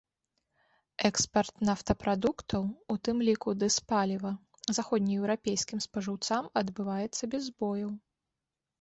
Экспарт нафтапрадуктаў, у тым ліку дызпаліва, заходнееўрапейскім спажыўцам адбываецца без збояў.